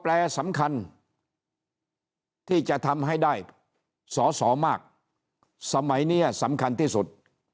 แปลสำคัญที่จะทำให้ได้สอสอมากสมัยนี้สำคัญที่สุด